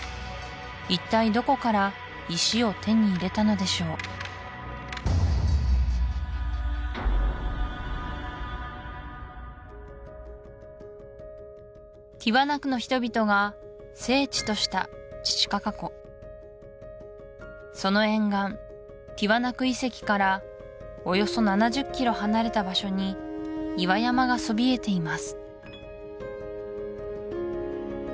一体どこから石を手に入れたのでしょうティワナクの人々が聖地としたチチカカ湖その沿岸ティワナク遺跡からおよそ７０キロ離れた場所に岩山がそびえています